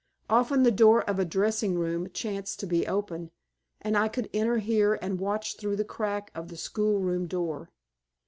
Often the door of a dressing room chanced to be open and I could enter here and watch through the crack of the school room door.